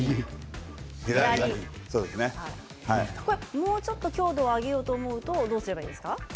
もうちょっと強度を上げようと思うとどうすればいいですか。